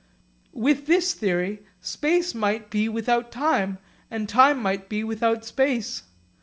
With this theory space might be without time, and time might be without space.